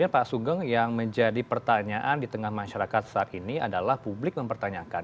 pak sugeng yang menjadi pertanyaan di tengah masyarakat saat ini adalah publik mempertanyakan